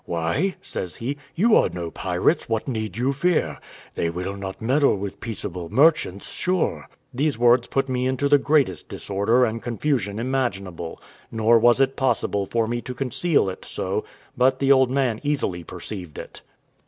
"Why," says he, "you are no pirates; what need you fear? They will not meddle with peaceable merchants, sure." These words put me into the greatest disorder and confusion imaginable; nor was it possible for me to conceal it so, but the old man easily perceived it.